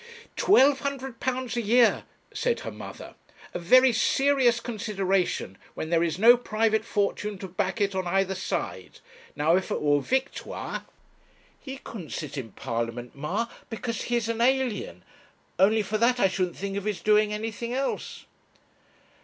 'Twelve hundred pounds a year,' said her mother 'a very serious consideration when there is no private fortune to back it, on either side. Now if it were Victoire ' 'He couldn't sit in Parliament, ma, because he's an alien only for that I shouldn't think of his doing anything else.'